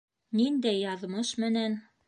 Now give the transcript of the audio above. Ниндәй яҙмыш менән?